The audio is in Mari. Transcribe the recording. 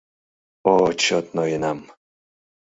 — О чот ноенам...